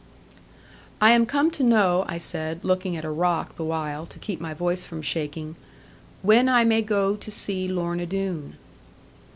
'I am come to know,' I said, looking at a rock the while, to keep my voice from shaking, 'when I may go to see Lorna Doone.'